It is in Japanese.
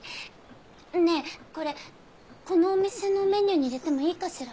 ねえこれこのお店のメニューに入れてもいいかしら？